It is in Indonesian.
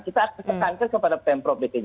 kita akan tekankan kepada pemprov bk jakarta